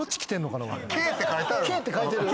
「Ｋ」って書いてあるわ。